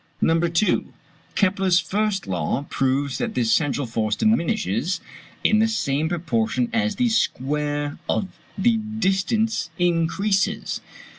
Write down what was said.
No. 2. Kepler's first law proves that this central force diminishes in the same proportion as the square of the distance increases.